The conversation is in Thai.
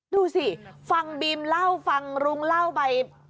ดูสิฟังบีมเล่าฟังรุ้งเล่าไป